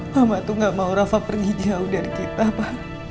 mama tuh gak mau rafa pergi jauh dari kita pak